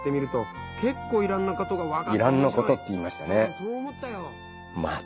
そう思ったよああ。